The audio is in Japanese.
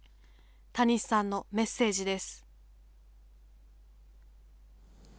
たにしさんのメッセージです。